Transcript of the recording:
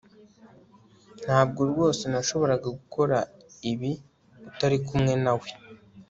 ntabwo rwose nashoboraga gukora ibi utari kumwe nawe